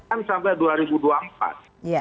kan sampai dua ribu dua puluh empat